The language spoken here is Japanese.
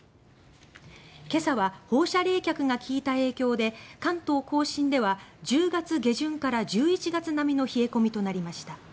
今朝は、放射冷却が利いた影響で関東・甲信では１０月下旬から１１月並みの冷え込みとなりました。